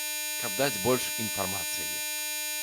Каб даць больш інфармацыі.